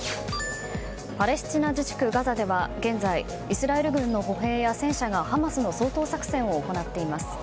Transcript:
パレスチナ自治区ガザでは現在、イスラエル軍の歩兵や戦車がハマスの掃討作戦を行っています。